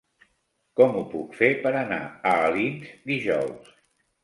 Com ho puc fer per anar a Alins dijous?